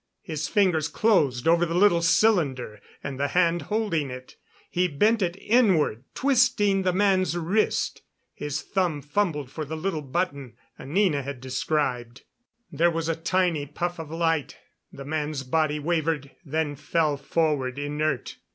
His fingers closed over the little cylinder and the hand holding it. He bent it inward, twisting the man's wrist. His thumb fumbled for the little button Anina had described. There was a tiny puff of light; the man's body wavered, then fell forward inert.